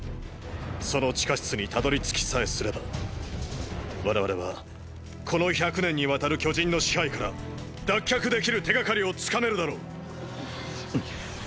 その地下室にたどりつきさえすれば我々はこの１００年にわたる巨人の支配から脱却できる手がかりをつかめるだろう！え？